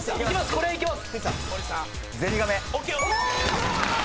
これはいけます！